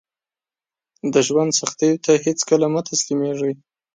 د ژوند سختیو ته هیڅکله مه تسلیمیږئ